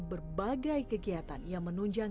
berbagai kegiatan yang menunjang